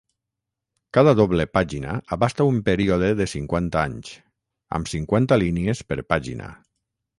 Cada doble pàgina abasta un període de cinquanta anys, amb cinquanta línies per pàgina.